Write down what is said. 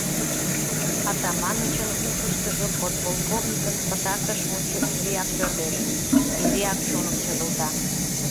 Атаманычын ушыштыжо подполковникын пытартыш мутшо эреак пӧрдеш, эреак чоным чыгылта.